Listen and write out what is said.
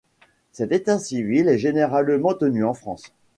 Cet état civil est généralement tenu en français.